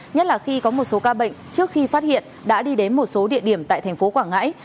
nhất là khi có một số ca bệnh trước khi phát hiện đã đi đến một số địa điểm tại thành phố quảng ngãi